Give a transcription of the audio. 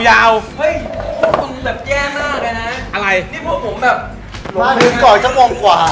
เฮ้ยพวกนี้แบบแย่มากนะนะนี่พวกผมแบบหนูหนึ่งต่อจะมองกว่า